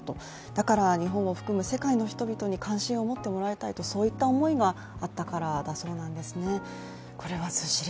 だから日本を含む世界の人々に関心を持ってもらいたいとそういった思いがあったからだそうです。